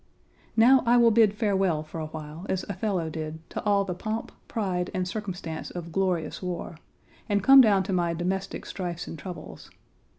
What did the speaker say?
Now I will bid farewell for a while as Othello did to all the "pomp, pride, and circumstance of glorious war," and come down to my domestic strifes and troubles.